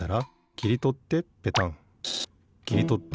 きりとってペタン。